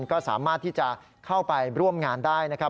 ก็สามารถที่จะเข้าไปร่วมงานได้นะครับ